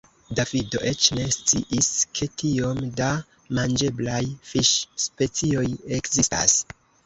Davido eĉ ne sciis, ke tiom da manĝeblaj fiŝspecioj ekzistas.